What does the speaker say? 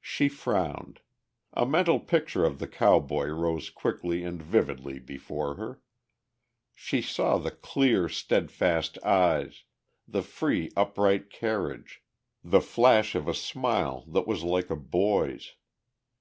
She frowned. A mental picture of the cowboy rose quickly and vividly before her. She saw the clear, steadfast eyes, the free, upright carriage, the flash of a smile that was like a boy's.